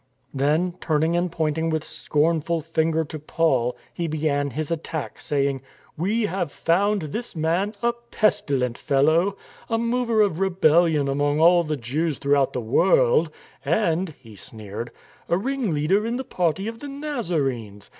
Then, turning and pointing with scornful finger to Paul, he began his attack, saying :" We have found this man a pestilent fellow, a mover of rebellion among all the Jews throughout the world,^ and (he sneered) a ringleader in the party of the Nazarenes.